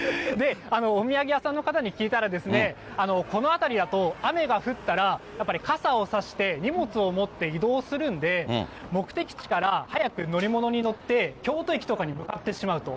お土産屋さんの方に聞いたらですね、この辺りだと、雨が降ったら、やっぱり傘を差して、荷物を持って移動するんで、目的地から早く乗り物に乗って、京都駅とかに向かってしまうと。